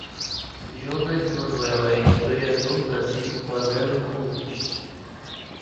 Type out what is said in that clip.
Jones Manoel é historiador, nascido em favela e comunista